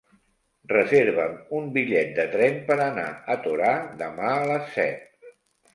Reserva'm un bitllet de tren per anar a Torà demà a les set.